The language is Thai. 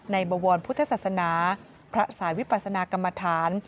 บวรพุทธศาสนาพระสายวิปัสนากรรมฐาน